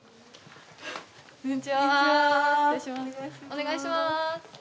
お願いします。